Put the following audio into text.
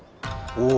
お。